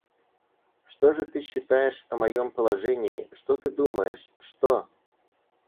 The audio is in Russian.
Что же ты считаешь о моем положении, что ты думаешь, что?